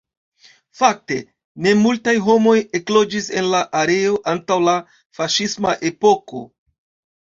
Fakte, ne multaj homoj ekloĝis en la areo antaŭ la faŝisma epoko.